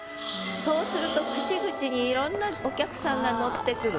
そうすると口々にいろんなお客さんが乗ってくる。